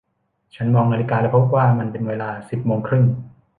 ฉันมองนาฬิกาและพบว่ามันเป็นเวลาสิบโมงครึ่ง